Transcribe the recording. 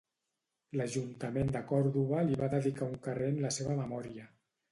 L'Ajuntament de Còrdova li va dedicar un carrer en la seva memòria.